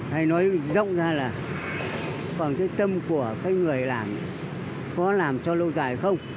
hay nói rộng ra là còn cái tâm của cái người làm có làm cho lâu dài không